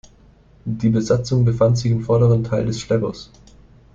Die Besatzung befand sich im vorderen Teil des Schleppers.